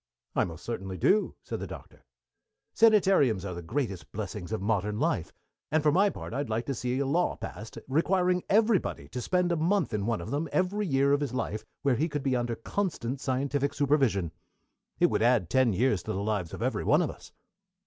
"I most certainly do," said the Doctor. "Sanitariums are the greatest blessings of modern life, and, for my part, I'd like to see a law passed requiring everybody to spend a month in one of them every year of his life, where he could be under constant scientific supervision. It would add ten years to the lives of every one of us."